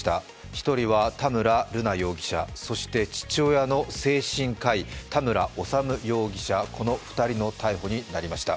１人は田村瑠奈容疑者、そして父親の精神科医、田村修容疑者、この２人の逮捕になりました。